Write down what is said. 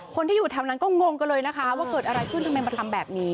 คนที่อยู่แถวนั้นก็งงกันเลยนะคะว่าเกิดอะไรขึ้นทำไมมาทำแบบนี้